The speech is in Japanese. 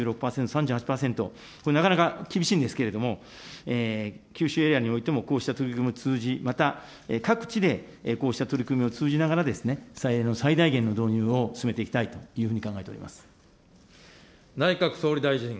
エネルギーミックスの中で再エネ３６％、３８％、これなかなか厳しいんですけれども、九州エリアにおいても、こうした取り組みを通じ、また各地でこうした取り組みを通じながら、再エネの最大限の導入を進めていきたいというふうに考えております。